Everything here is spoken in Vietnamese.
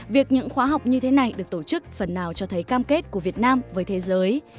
việc những khóa học như thế này được tổ chức phần nào cho thấy cam kết của việt nam với thế giới